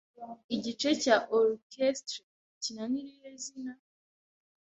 Igice cya orchestre ikina ni irihe zina?